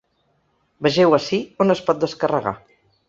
Vegeu ací on es pot descarregar.